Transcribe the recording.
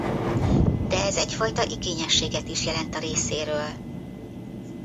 De ez egyfajta igényességet is jelent a részéről.